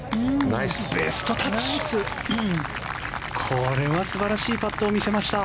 これは素晴らしいパットを見せました。